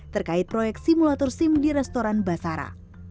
terkait proyek simulator sim di restoran basara